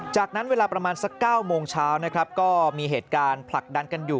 จากนั้นเวลาประมาณสัก๙โมงเช้านะครับก็มีเหตุการณ์ผลักดันกันอยู่